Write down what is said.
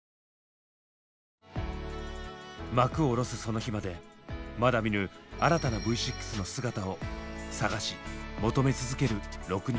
幕を下ろすその日までまだ見ぬ新たなＶ６の姿を探し求め続ける６人。